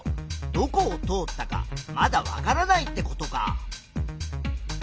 どこを通ったかまだわからないってことか。